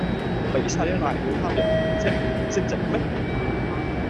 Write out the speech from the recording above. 我畀曬啲攋尿蝦你又點啫，你識整咩